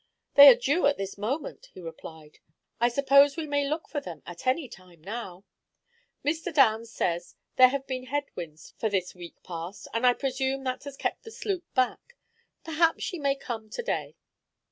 "They are due at this moment," he replied, "I suppose we may look for them at any time now. Mr. Downs says there have been head winds for this week past, and I presume that has kept the sloop back. Perhaps she may come to day."